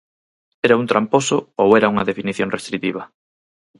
¿Era un tramposo ou era unha definición restritiva?